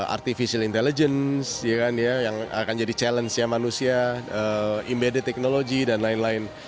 artificial intelligence yang akan jadi challenge nya manusia imbedded technology dan lain lain